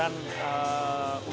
saya nggak ada ketentuan